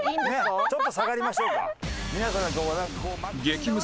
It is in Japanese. ねえちょっと下がりましょうか。